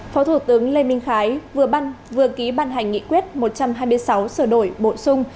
phó thủ tướng lê minh khái vừa ký ban hành nghị quyết một trăm hai mươi sáu sửa đổi bổ sung